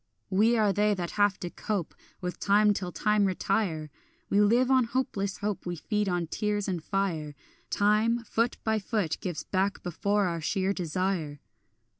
We are they that have to cope With time till time retire; We live on hopeless hope, We feed on tears and fire; Time, foot by foot, gives back before our sheer desire.